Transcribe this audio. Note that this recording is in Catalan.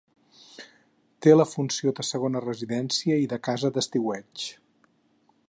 Té la funció de segona residència i de casa d'estiueig.